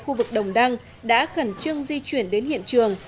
khu vực đồng đăng đã khẩn trương di chuyển đến hiện trường